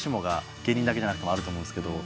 芸人だけじゃなくてもあると思うんですけど。